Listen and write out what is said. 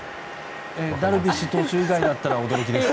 ダルビッシュ投手以外だったら驚きです。